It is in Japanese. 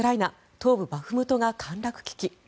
東部バフムトが陥落危機。